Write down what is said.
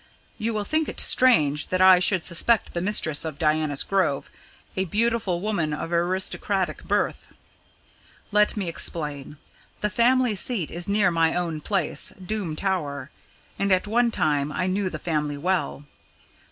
You will think it strange that I should suspect the mistress of Diana's Grove, a beautiful woman of aristocratic birth. Let me explain the family seat is near my own place, Doom Tower, and at one time I knew the family well.